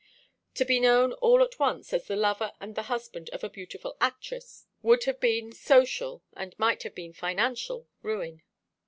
To be known all at once as the lover and the husband of a beautiful actress would have been social, and might have been financial, ruin.